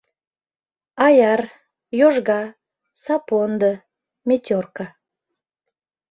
— «Аяр», «Йожга», «Сапондо», «Метерка»...